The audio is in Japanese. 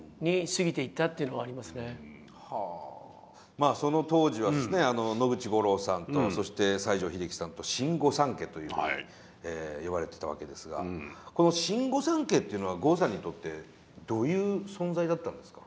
まあその当時はですね野口五郎さんとそして西城秀樹さんと「新御三家」というふうに呼ばれてたわけですがこの「新御三家」っていうのは郷さんにとってどういう存在だったんですか？